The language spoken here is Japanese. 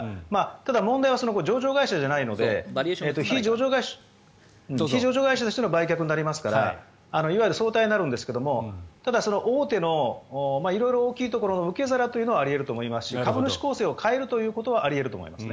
ただ、問題はその後上場会社じゃないので非上場会社としての売却になりますから大手の色々、大きいところの受け皿というのはあり得ると思いますし株主構成を変えるということはあり得ると思います。